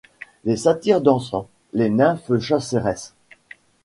Les satyres dansants, les nymphes chasseresses